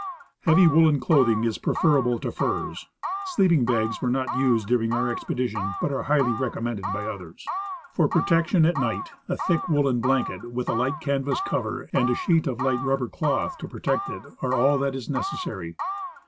Heavy woolen clothing is j^referable to furs. Sleep ing bags were not used during our expedition, but are highly recommended by others. For protection at night, a thick woolen blanket with a light canvas cover and a sheet of light rubber cloth to protect it are all that is necessary.